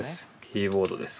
キーボードです。